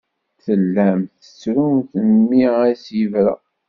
Tellamt tettrumt mi as-yebra.